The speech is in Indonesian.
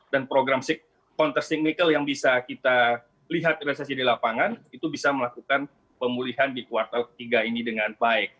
dan program counter signical yang bisa kita lihat dan realisasi di lapangan itu bisa melakukan pemulihan di kuartal tiga ini dengan baik